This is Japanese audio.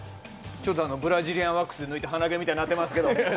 ちょっとブラジリアンワックスで抜いた鼻毛みたいになってますけど。